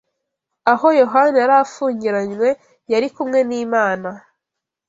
Aho Yohana yari afungiranywe yari kumwe n’Imana